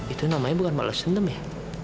itu namanya bukan bales dendam ya